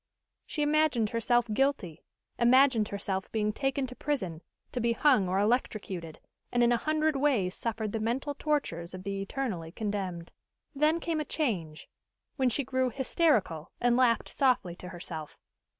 She imagined herself guilty imagined herself being taken to prison, to be hung or electrocuted, and in a hundred ways suffered the mental tortures of the eternally condemned. Then came a change, when she grew hysterical and laughed softly to herself.